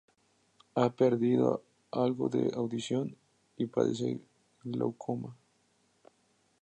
Ha perdido algo de audición y padece glaucoma.